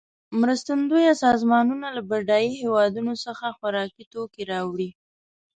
مرستندویه سازمانونه له بډایه هېوادونو څخه خوارکي توکې راوړي.